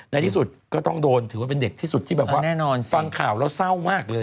ในที่สุดก็ต้องโดนถือว่าเป็นเด็กที่สุดที่แบบว่าแน่นอนฟังข่าวแล้วเศร้ามากเลย